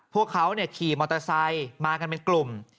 พวกเขาขี่มอเตอร์ไซค์มากันเป็นกลุ่ม